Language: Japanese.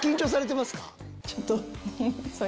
ちょっと。